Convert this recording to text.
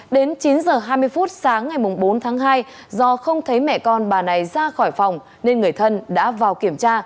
đến chín h hai mươi phút sáng ngày bốn tháng hai do không thấy mẹ con bà này ra khỏi phòng nên người thân đã vào kiểm tra